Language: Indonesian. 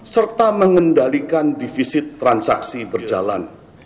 serta mengendalikan defisit transaksi berjalan